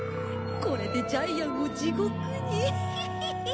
これでジャイアンを地獄にヒヒヒヒ。